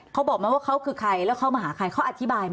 เขาบอกไหมว่าเขาคือใครแล้วเขามาหาใครเขาอธิบายไหม